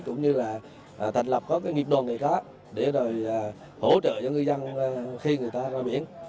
cũng như là thành lập nghiệp đồn nghệ khóa để hỗ trợ cho ngư dân khi người ta ra biển